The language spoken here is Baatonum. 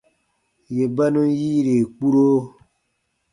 Yè ba nùn yiire kpuro.